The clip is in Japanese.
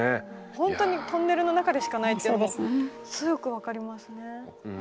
ほんとにトンネルの中でしかないというのもすごくよく分かりますね。